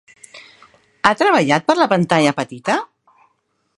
Ha treballat per la pantalla petita?